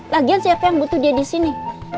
lagian siapa yang butuh dia di sini